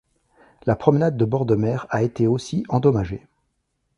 La promenade de bord de mer a été aussi endommagée.